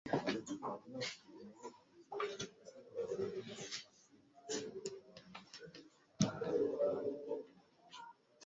Watu walio wengi huishi kwenye sehemu za rutuba karibu na pwani.